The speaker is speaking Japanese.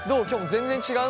全然違う。